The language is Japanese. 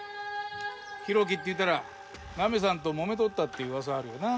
浩喜っていったらナミさんともめとったって噂あるよな。